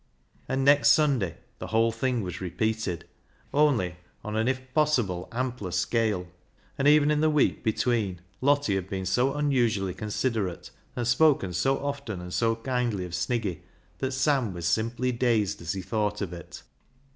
And next Sunday the whole thing was re peated, only on an, if possible, ampler scale. And even in the week between, Lottie had been so unusually considerate, and spoken so often and so kindly of Sniggy, that Sam was simply dazed as he thought of it.